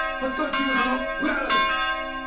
中央署の上原です。